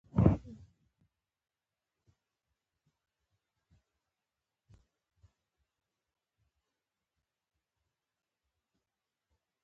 د لوستونکو لپاره ډېر څه لري.